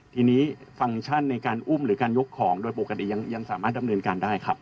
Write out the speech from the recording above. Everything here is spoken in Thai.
ทีนี้ฟังก์ชันในการอุ้มหรือการยกของโดยปกติยังสามารถดำเนินการได้ครับ